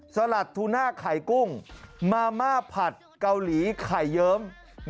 สลัดทูน่าไข่กุ้งมาม่าผัดเกาหลีไข่เยิ้ม